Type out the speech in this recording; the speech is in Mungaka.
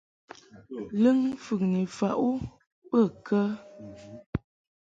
Lɨŋ mfɨŋni faʼ u bə kə ?